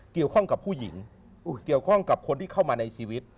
เกี่ยวข้องกับผู้หญิงเกี่ยวข้องกับคนที่เข้ามาในชีวิต